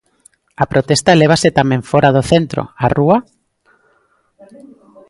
A protesta lévase tamén fóra do centro, á rúa?